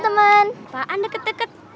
kenapa anda deket deket